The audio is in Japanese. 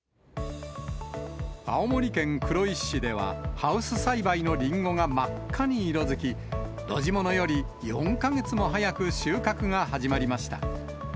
青森県黒石市では、ハウス栽培のリンゴが真っ赤に色づき、露地ものより４か月も早く収穫が始まりました。